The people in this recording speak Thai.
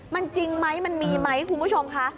มันจริงมั้ยมันมีมั้ยคุณผู้ชมคะ